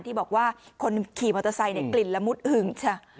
ที่บอกว่าคนขี่มอเตอร์ไซค์กลิ่นละมุดอึ่ง